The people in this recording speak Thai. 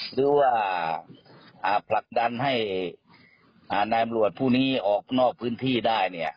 หรือว่าผลักดันให้นายอำรวจผู้นี้ออกนอกพื้นที่ได้